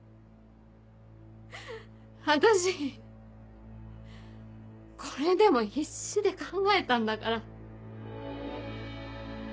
私これでも必死で考えたんだから。